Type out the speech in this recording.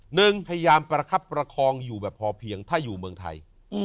หนึ่งพยายามประคับประคองอยู่แบบพอเพียงถ้าอยู่เมืองไทย